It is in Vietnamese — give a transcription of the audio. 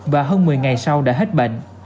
và hơn một mươi ngày sau đã hết bệnh